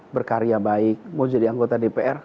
berbeda mengenai warga satu